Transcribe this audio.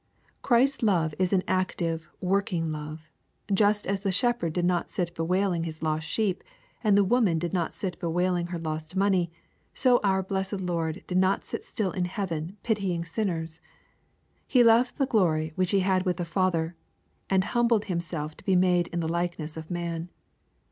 Christ's love is an active, working love. Just as the shepherd did not sit still bewailing his lost sheep, and the woman did not sit still bewailing her lost money, so our blessed Lord did not sit still in heaven pitying sin ners. He left the glory which He had with the Father, and humbled Himself to be made in the likeness of man.